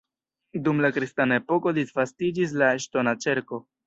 Dum la kristana epoko disvastiĝis la ŝtona ĉerko.